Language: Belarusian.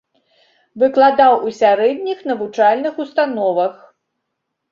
Выкладаў у сярэдніх навучальных установах.